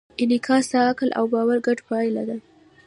انعکاس د عقل او باور ګډه پایله ده.